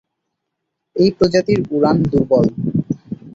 এই প্রজাতির উড়ান দুর্বল।